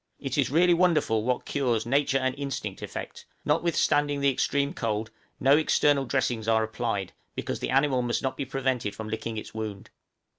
It is really wonderful what cures nature and instinct effect: notwithstanding the extreme cold, no external dressings are applied, because the animal must not be prevented from licking its wound.